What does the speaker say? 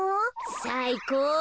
さあいこう。